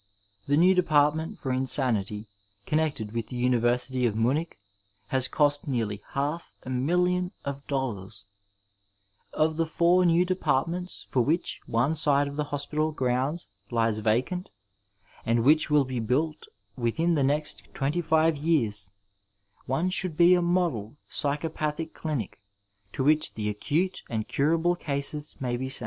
The new department for insanity connected with the University of Munich has cost nearly half a miUion of dollars t Of the four new departments for which one side of the hospital grounds lies vacant, and which will be built within the next twenty five years, one should be a model psychopathic clinic to which the acute and curable cases may be sent.